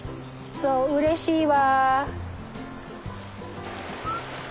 そううれしいわ。